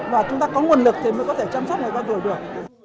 và chúng ta có nguồn lực thì mới có thể chăm sóc người cao tuổi được